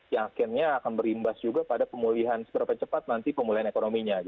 yang akhirnya akan berimbas juga pada pemulihan seberapa cepat nanti pemulihan ekonominya